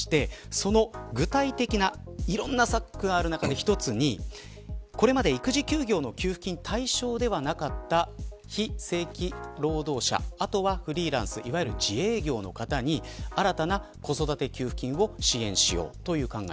その具体的ないろんな策がある中の１つにこれまで育児休業の給付金が対象ではなかった非正規労働者、フリーランスいわゆる自営業の方に新たな子育て給付金を支援しようという考え。